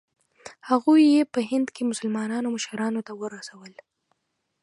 هغوی یې په هند کې مسلمانانو مشرانو ته ورسول.